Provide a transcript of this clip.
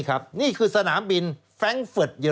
สวัสดีค่ะต้อนรับคุณบุษฎี